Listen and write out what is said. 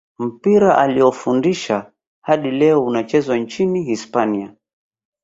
mpira alioufundisha hadi leo unachezwa nchini hispania